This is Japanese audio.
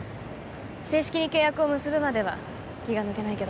正式に契約を結ぶまでは気が抜けないけど。